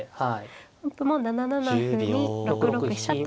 本譜も７七歩に６六飛車と。